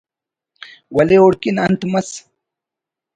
ولے اوڑکن انت مس